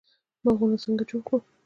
باغونه څنګه جوړ کړو؟